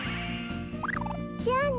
じゃあね。